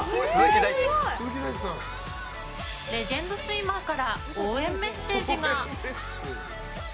レジェンドスイマーから応援メッセージが。